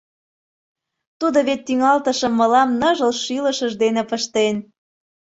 Тудо вет тӱҥалтышым мылам Ныжыл шӱлышыж дене пыштен.